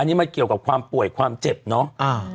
อันนี้มันเกี่ยวกับความป่วยความเจ็บเนาะ